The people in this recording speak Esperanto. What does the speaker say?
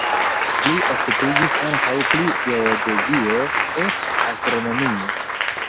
Li okupiĝis ankaŭ pri geodezio, eĉ astronomio.